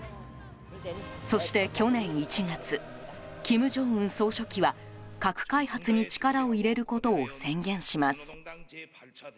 そして去年１月、金正恩総書記は核開発に力を入れることを宣言します。